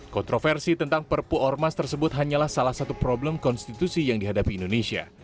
kontroversi tentang perpu ormas tersebut hanyalah salah satu problem konstitusi yang dihadapi indonesia